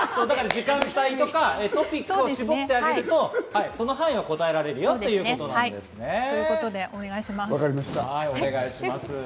時間帯、トピックを絞ってあげると、その範囲には答えられるよってことなんですね。ということで、お願いします。